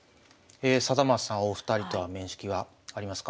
貞升さんお二人とは面識はありますか？